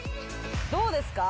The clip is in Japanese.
・どうですか？